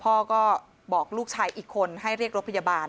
พ่อก็บอกลูกชายอีกคนให้เรียกรถพยาบาล